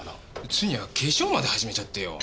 ついには化粧まで始めちゃってよ。